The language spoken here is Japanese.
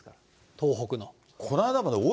東北の。